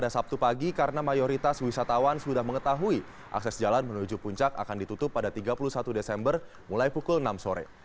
pada sabtu pagi karena mayoritas wisatawan sudah mengetahui akses jalan menuju puncak akan ditutup pada tiga puluh satu desember mulai pukul enam sore